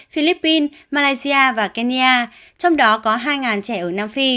philippines malaysia và kenya trong đó có hai trẻ ở nam phi